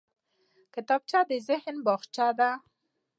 کتابچه د ذهن باغچه ده